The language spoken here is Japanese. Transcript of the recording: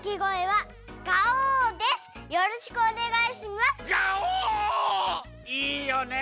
いいよね。